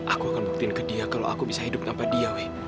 aku akan buktiin ke dia kalau aku bisa hidup tanpa dia weh